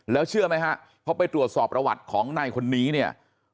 แล้วเชื่อไหมฮะพอไปตรวจสอบประวัติของนายคนนี้เนี่ย